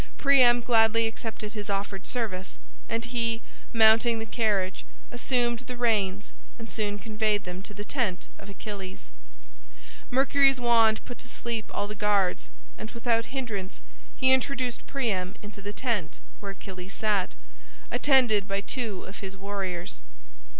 Priam gladly accepted his offered service, and he, mounting the carriage, assumed the reins and soon conveyed them to the tent of Achilles. Mercury's wand put to sleep all the guards, and without hinderance he introduced Priam into the tent where Achilles sat, attended by two of his warriors.